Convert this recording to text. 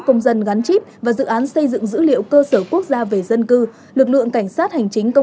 công dân có bị ảnh hưởng gì không hay là có tốt cho người dùng căn cước không hay thuận tiện không